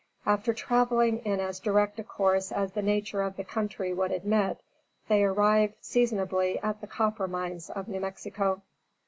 After traveling in as direct a course as the nature of the country would admit, they arrived seasonably at the copper mines of New Mexico.